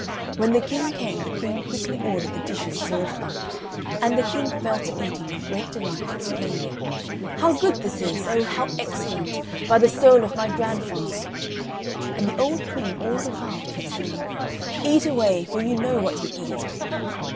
When the King came, the Queen quickly ordered the dishes served up; and the King fell to eating with great delight, exclaiming, "How good this is! Oh, how excellent, by the soul of my grandfather!" And the old Queen all the while kept saying, "Eat away, for you know what you eat."